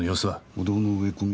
舗道の植え込み。